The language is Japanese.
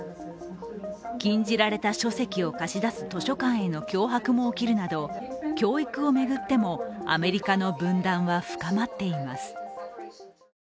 禁じられた書籍を貸し出す図書館への脅迫も起きるなど教育を巡ってもアメリカの分断は深まっています。